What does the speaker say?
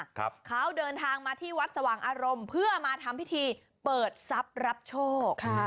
เขาเดินทางมาที่วัดสว่างอารมณ์เพื่อมาทำพิธีเปิดทรัพย์รับโชคค่ะ